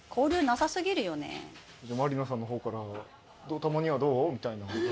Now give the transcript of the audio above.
満里奈さんの方から「たまにはどう？」みたいな。